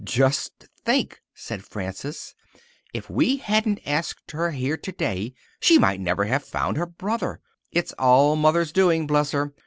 "Just think," said Frances, "if we hadn't asked her here today she might never have found her brother! It's all Mother's doing, bless her!